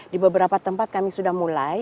di beberapa tempat kami sudah mulai